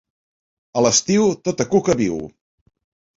A l’estiu tota cuca viu.